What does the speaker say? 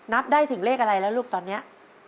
นับได้ถึงเลขอะไรแล้วลูกตอนนี้